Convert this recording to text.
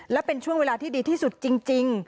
และเป็นช่วงเวลาที่ดีที่สุดจริง